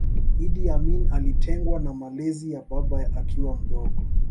Iddi Amini alitengwa na malezi ya baba akiwa mdogo